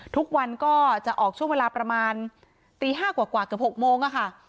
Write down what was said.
ทุกวันก็จะออกช่วงเวลาประมาณตี๕กว่าเกือบ๖โมงค่ะ